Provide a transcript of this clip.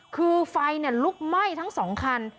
คือไฟลุกไหม้ทั้ง๒คัน